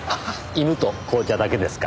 犬と紅茶だけですか。